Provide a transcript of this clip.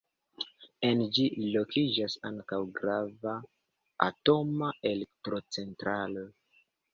En ĝi lokiĝas ankaŭ grava atoma elektrocentralo.